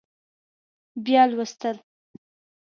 بیا لوستل